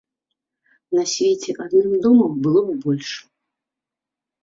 На свеце адным домам было б больш.